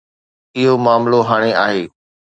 اهو معاملو هاڻي آهي.